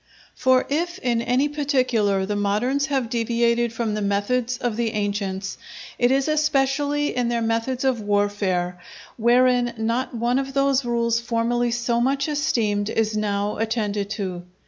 For if in any particular the moderns have deviated from the methods of the ancients, it is especially in their methods of warfare, wherein not one of those rules formerly so much esteemed is now attended to.